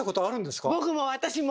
僕も私も！